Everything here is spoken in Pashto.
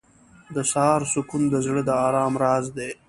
• د سهار سکون د زړه د آرام راز دی.